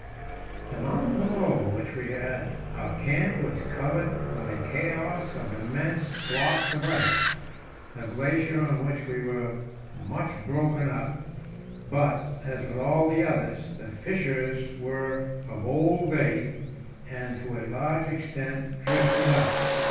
The mountain below which we had our camp was covered with a chaos of immense blocks of ice. The glacier on which we were was much broken up, but, as with all the others, the fissures were of old date, and, to a large extent, drifted up.